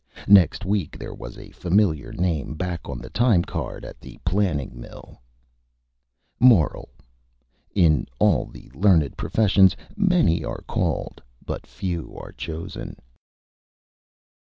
Next week there was a familiar Name back on the Time Card at the Planing Mill. MORAL: _In all the Learned Professions, Many are Called but Few are Chosen.